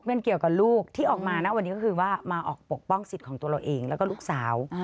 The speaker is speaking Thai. มันเกี่ยวกับลูกที่ออกมานะวันนี้ก็คือว่ามาออกปกป้องสิทธิ์ของตัวเราเองแล้วก็ลูกสาว